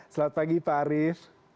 selamat pagi pak arief